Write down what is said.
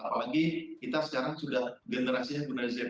apalagi kita sekarang sudah generasinya berbeda